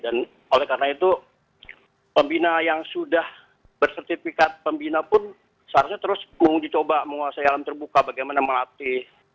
dan oleh karena itu pembina yang sudah bersertifikat pembina pun seharusnya terus menguji coba menguasai alam terbuka bagaimana melatih